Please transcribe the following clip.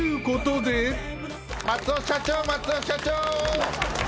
松尾社長松尾社長。